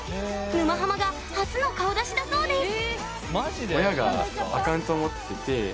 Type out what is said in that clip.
「沼ハマ」が初の顔出しだそうです